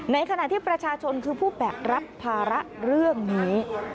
ในขณะที่ประชาชนคือผู้แบกรับภาระเรื่องนี้